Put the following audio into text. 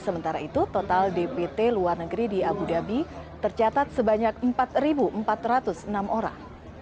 sementara itu total dpt luar negeri di abu dhabi tercatat sebanyak empat empat ratus enam orang